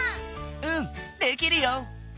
うんできるよ。